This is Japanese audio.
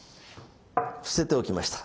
伏せておきました。